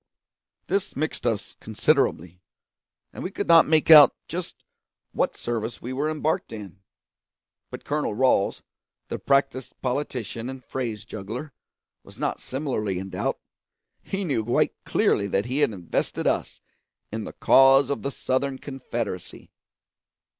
This mixed us considerably, and we could not make out just what service we were embarked in; but Colonel Ralls, the practised politician and phrase juggler, was not similarly in doubt; he knew quite clearly that he had invested us in the cause of the Southern Confederacy.